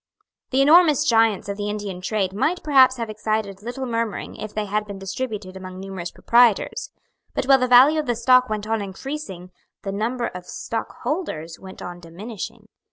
The enormous gains of the Indian trade might perhaps have excited little murmuring if they had been distributed among numerous proprietors. But while the value of the stock went on increasing, the number of stockholders went on diminishing.